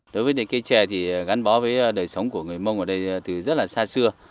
đối với cây trẻ thì gắn bó với đời sống của người mông ở đây từ rất là xa xưa